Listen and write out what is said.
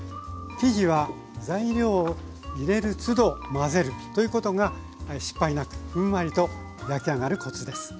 生地は材料を入れるつど混ぜるということが失敗なくふんわりと焼き上がるコツです。